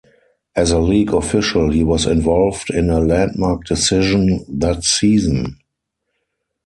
As a league official, he was involved in a landmark decision that season.